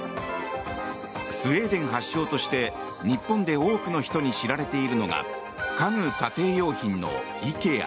スウェーデン発祥として、日本で多くの人に知られているのが家具・家庭用品店のＩＫＥＡ。